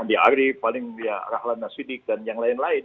ya paling rahlana sidiq dan yang lain lain